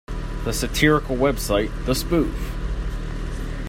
The satirical website The Spoof!